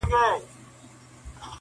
• بس چي کله قاضي راسي د شپې کورته..